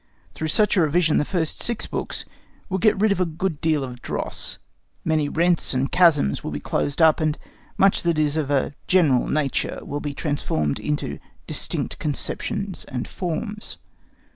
Through such a revision the first six books will get rid of a good deal of dross, many rents and chasms will be closed up, and much that is of a general nature will be transformed into distinct conceptions and forms.